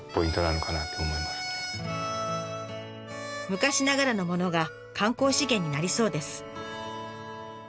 昔ながらのものが観光資源になりそうです。